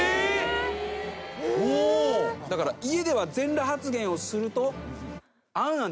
だから家では全裸発言をすると。